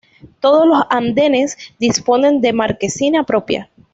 Todos los andenes disponen de marquesina propia.